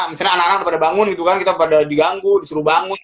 misalnya anak anak pada bangun gitu kan kita pada diganggu disuruh bangun